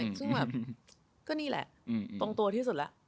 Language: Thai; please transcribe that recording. ซึ่งแบบก็นี่แหละตรงตัวที่สุดแล้ว